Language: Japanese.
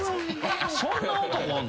そんな男おんの？